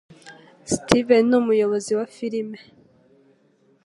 Steven ni umuyobozi wa firime.